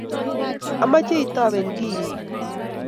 omeche itoben kii